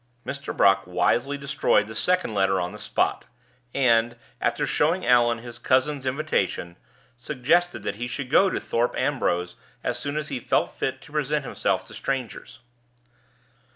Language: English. Mr. Brock wisely destroyed the second letter on the spot, and, after showing Allan his cousin's invitation, suggested that he should go to Thorpe Ambrose as soon as he felt fit to present himself to strangers.